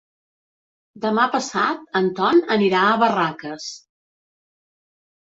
Demà passat en Ton anirà a Barraques.